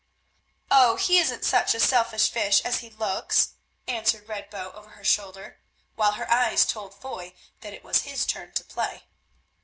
"Oh! he isn't such a selfish fish as he looks," answered Red Bow over her shoulder, while her eyes told Foy that it was his turn to play.